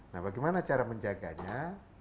nah bagaimana cara menjaganya